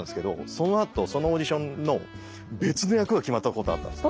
そのあとそのオーディションの別の役が決まったことがあったんです。